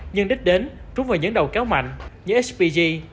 nhưng đích đến trúng vào những đầu kéo mạnh như spg